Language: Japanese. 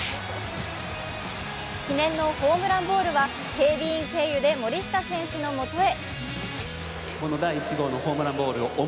記念のホームランボールは警備員経由で森下選手のもとへ。